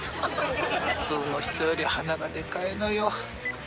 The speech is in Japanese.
普通の人より鼻がでかいのよ。